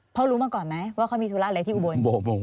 รู้มาก่อนไหมว่าเขามีธุระอะไรที่อุบล